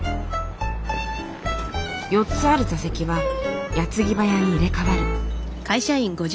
４つある座席は矢継ぎ早に入れ代わる。